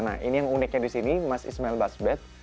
nah ini yang uniknya di sini mas ismail basbet